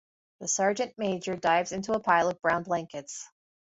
The Sergeant-Major dives into a pile of brown blankets.